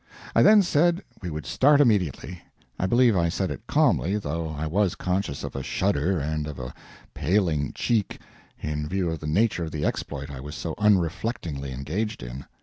I then said we would start immediately. I believe I said it calmly, though I was conscious of a shudder and of a paling cheek, in view of the nature of the exploit I was so unreflectingly engaged in.